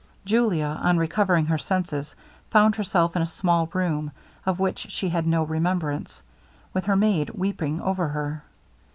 Julia, on recovering her senses, found herself in a small room, of which she had no remembrance, with her maid weeping over her.